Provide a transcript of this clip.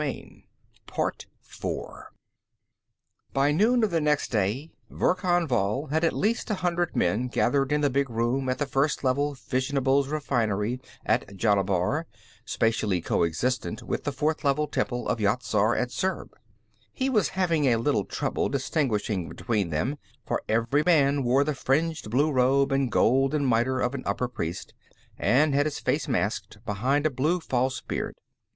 By noon of the next day, Verkan Vall had at least a hundred men gathered in the big room at the First Level fissionables refinery at Jarnabar, spatially co existent with the Fourth Level temple of Yat Zar at Zurb. He was having a little trouble distinguishing between them, for every man wore the fringed blue robe and golden miter of an upper priest, and had his face masked behind a blue false beard.